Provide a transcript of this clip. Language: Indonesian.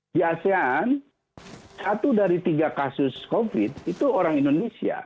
di asean satu dari tiga kasus covid itu orang indonesia